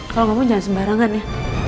kalau gak mau jangan sembarangan ya